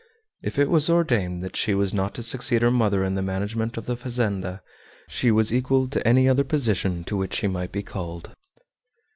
If it was ordained that she was not to succeed her mother in the management of the fazenda, she was equal to any other position to which she might be called.